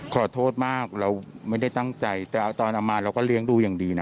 ขอโทษมากเราไม่ได้ตั้งใจแต่เอาตอนเอามาเราก็เลี้ยงดูอย่างดีนะ